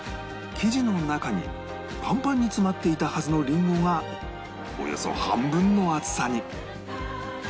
生地の中にパンパンに詰まっていたはずのりんごがおよそ半分の厚さに